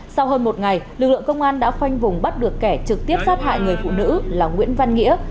sau hơn một ngày lực lượng công an đã khoanh vùng bắt được kẻ trực tiếp sát hại người phụ nữ là nguyễn văn nghĩa